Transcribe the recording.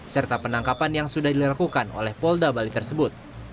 serta penangkapan yang sudah dilakukan oleh polda bali tersebut